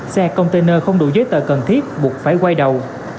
xe container không đủ giấy tờ cần thiết buộc phải quay đầu